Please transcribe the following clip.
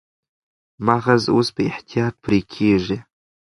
مغز اوس په احتیاط پرې کېږي.